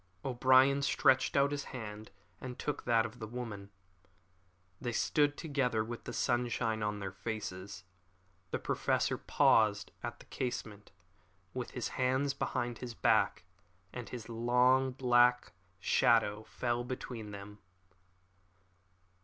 O'Brien stretched out his hand and took that of the woman. They stood together with the sunshine on their faces. The Professor paused at the casement with his hands behind his back, and his long black shadow fell between them.